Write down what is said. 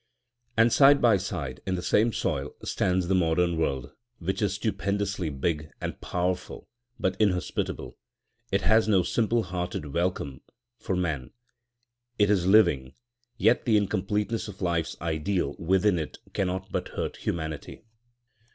And side by side, in the same soil, stands the modern world, which is stupendously big and powerful, but inhospitable. It has no simple hearted welcome for man. It is living; yet the incompleteness of life's ideal within it cannot but hurt humanity.